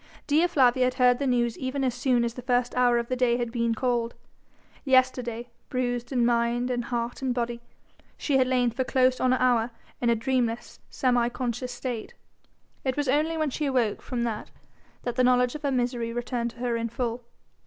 Dea Flavia had heard the news even as soon as the first hour of the day had been called. Yesterday, bruised in mind and heart and body, she had lain for close on an hour in a dreamless, semi conscious state. It was only when she awoke from that that the knowledge of her misery returned to her in full.